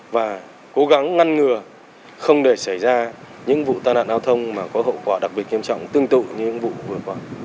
và cố gắng ngăn ngừa không để xảy ra những vụ tai nạn giao thông mà có hậu quả đặc biệt nghiêm trọng tương tự như những vụ vừa qua